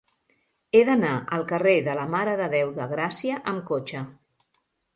He d'anar al carrer de la Mare de Déu de Gràcia amb cotxe.